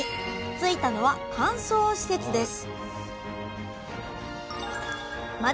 着いたのは乾燥施設です